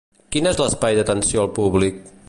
Quin és l'espai d'atenció al públic?